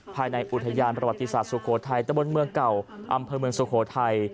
ภายในอุทยานประวัติศาสตร์สุโขทัยตะบนเมืองเก่าอำเภอเมืองสุโขทัย